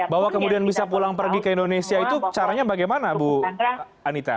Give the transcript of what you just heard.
bahwa kemudian bisa pulang pergi ke indonesia itu caranya bagaimana bu anita